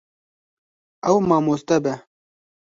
Ew mamoste be.